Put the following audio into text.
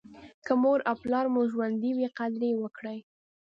که مور او پلار مو ژوندي وي قدر یې وکړئ.